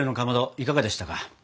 いかがでしたか？